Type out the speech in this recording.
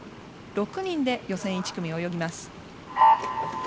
６人で予選１組を泳ぎます。